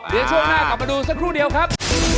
เดี๋ยวช่วงหน้ากลับมาดูสักครู่เดียวครับ